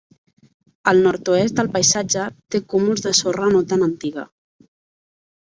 Al nord-oest el paisatge té cúmuls de sorra no tan antiga.